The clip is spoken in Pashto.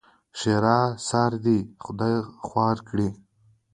ښېرا؛ سار دې خدای خواره کړي!